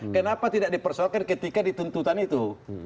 kenapa tidak dipersoalkan ketika dituntutan itu